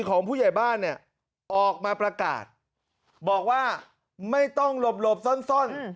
ออกมาประกาศบอกว่าไม่ต้องหลบหลบส้น